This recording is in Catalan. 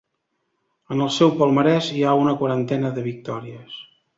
En el seu palmarès hi ha una quarantena de victòries.